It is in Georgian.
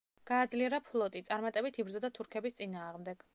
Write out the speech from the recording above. გააძლიერა ფლოტი, წარმატებით იბრძოდა თურქების წინააღმდეგ.